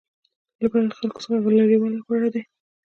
له بدو خلکو څخه لرې والی غوره دی.